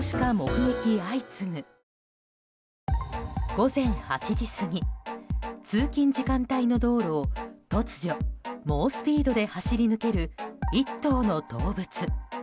午前８時過ぎ通勤時間帯の道路を突如、猛スピードで走り抜ける１頭の動物。